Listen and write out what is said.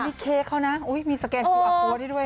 มีสเปย์ดสูงเว่ายีด้วย